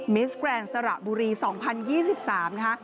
มิสแกรนด์สระบุรี๒๐๒๓นะคะ